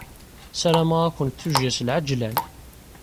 Ssarameɣ-awent tujjya s lɛejlan.